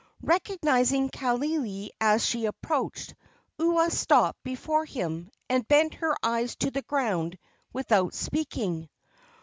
Recognizing Kaaialii as she approached, Ua stopped before him, and bent her eyes to the ground without speaking.